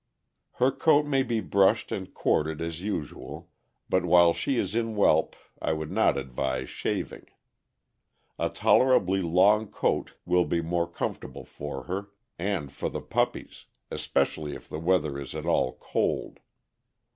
Her coat may be brushed and corded as usual, but while she is in whelp I would not advise shaving. A tolerably long coat will be more comfortable for her and for the puppies, especially if the weather be at all cold.